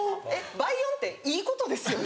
倍音っていいことですよね？